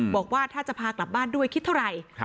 บอกว่าถ้าจะพากลับบ้านด้วยคิดเท่าไหร่